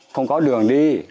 không có đường đi